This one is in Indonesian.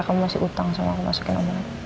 kamu masih utang sama aku masakin omlet